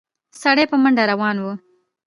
سړی په منډه روان و.